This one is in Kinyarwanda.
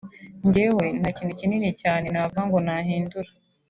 Njyewe nta kintu kinini cyane navuga ngo nahindura